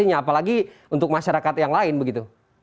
apalagi untuk masyarakat yang lain begitu